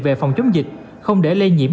về phòng chống dịch không để lây nhiễm